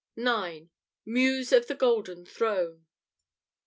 (9) "Muse of the golden throne."